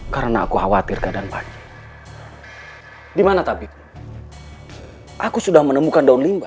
karena aku khawatir keadaan pak dimana tapi aku sudah menemukan daun limba